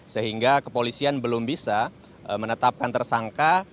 sehingga kepolisian belum bisa menetapkan tersangka